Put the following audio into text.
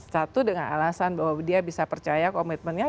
satu dengan alasan bahwa dia bisa percaya komitmennya